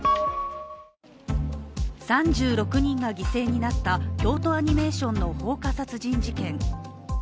３６人が犠牲になった京都アニメーションの放火殺人事件。